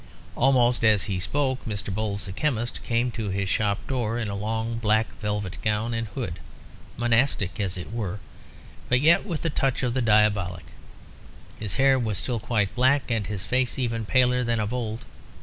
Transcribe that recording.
Almost as he spoke, Mr. Bowles, the chemist, came to his shop door in a long black velvet gown and hood, monastic as it were, but yet with a touch of the diabolic. His hair was still quite black, and his face even paler than of old.